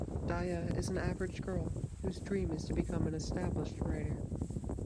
Daya is an average girl whose dream is to become an established writer.